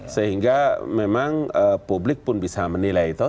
sehingga memang publik pun bisa menilai itu